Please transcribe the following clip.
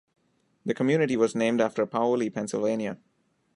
The community was named after Paoli, Pennsylvania.